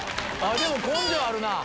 でも根性あるなぁ。